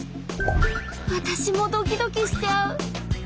わたしもドキドキしちゃう。